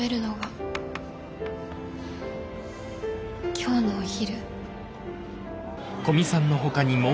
今日のお昼。